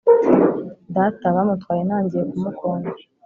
Data bamutwaye Ntangiye kumukunda